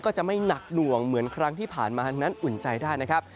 ก็จะไม่หนักหน่วงเหมือนครั้งที่ผ่านมานั้นอุ่นใจได้นะครับ